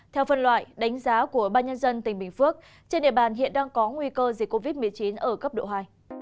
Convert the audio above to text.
theo phân loại đánh giá của ba nhân dân tỉnh bình phước trên địa bàn hiện đang có nguy cơ dịch covid một mươi chín ở cấp độ hai